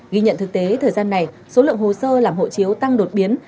ghi nhận thực tế thời gian này số lượng hồ sơ làm hộ chiếu tăng đột biến